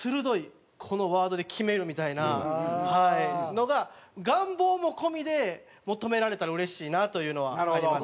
このワードで決めるみたいなのが願望も込みで求められたらうれしいなというのはあります。